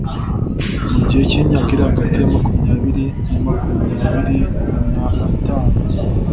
mu gihe cy’imyaka iri hagati ya makumyabiri na makumyabiri na atanu,